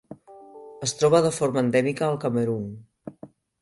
Es troba de forma endèmica al Camerun.